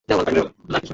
আমরা পেরেছি রে, স্যাম।